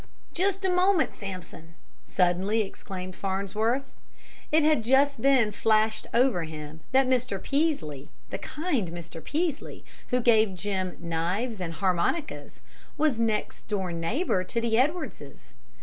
"Just a moment, Sampson!" suddenly exclaimed Farnsworth. It had just then flashed over him that Mr. Peaslee, the kind Mr. Peaslee, who gave Jim knives and harmonicas, was next door neighbor to the Edwardses.